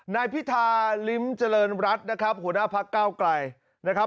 นายพิธาลิ้มเจริญรัฐนะครับหัวหน้าพักเก้าไกลนะครับ